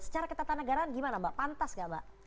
secara ketatanegaraan gimana mbak pantas gak mbak